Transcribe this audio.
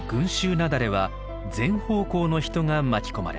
雪崩は全方向の人が巻き込まれます。